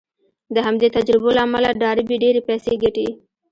د همدې تجربو له امله ډاربي ډېرې پيسې ګټي.